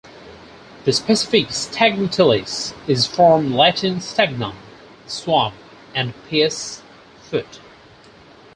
The specific "stagnatilis" is from Latin "stagnum", "swamp", and "pes", "foot".